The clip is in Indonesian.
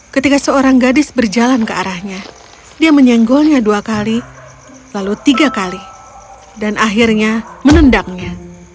ketika seorang gadis berjalan ke arahnya dia menyenggolnya dua kali lalu tiga kali dan akhirnya menendangnya